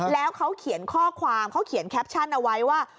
แล้วเขาเขียนข้อความเขาเขียนแคปชั่นเอาไว้ว่า